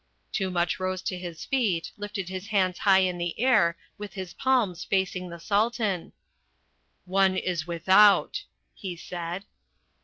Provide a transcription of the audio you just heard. Toomuch rose to his feet, lifted his hands high in the air with the palms facing the Sultan. "One is without," he said.